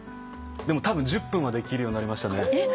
でもたぶん１０分はできるようになりましたね。